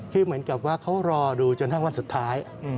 คือเหมือนกับว่าเขารอดูจนทั้งวันสุดท้าย